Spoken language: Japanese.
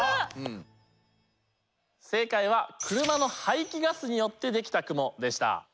正解は車の排気ガスによってできた雲でした。